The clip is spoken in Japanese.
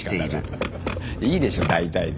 いいでしょ大体で。